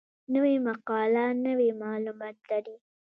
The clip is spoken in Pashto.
نوې مقاله نوي معلومات لري